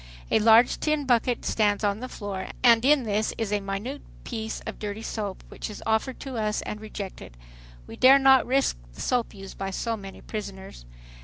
A large tin bucket stands on the floor and in this is a minute piece of dirty soap, which is offered to us and rejected. We dare not risk the soap used by so many prisoners.